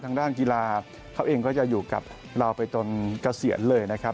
ทางด้านกีฬาเขาเองก็จะอยู่กับเราไปจนเกษียณเลยนะครับ